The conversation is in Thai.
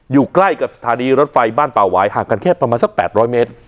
อยู่ใกล้กับสถานีรถไฟบ้านป่าหวายห่างกันแค่ประมาณสัก๘๐๐เมตร